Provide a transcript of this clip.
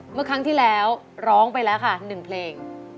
เมื่อครั้งที่แล้วร้องไปแล้วค่ะ๑เพลง